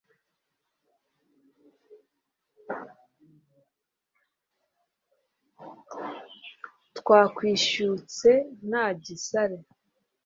twakwishyutse nta gisare